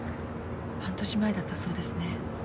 半年前だったそうですね。